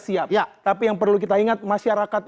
siap tapi yang perlu kita ingat masyarakat